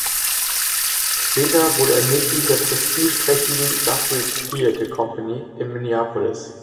Später wurde er Mitglied der prestigeträchtigen "Guthrie Theater Company" in Minneapolis.